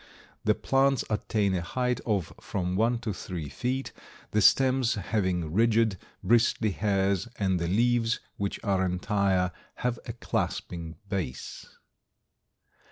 The plants attain a height of from one to three feet, the stems having rigid, bristly hairs and the leaves, which are entire, have a clasping base.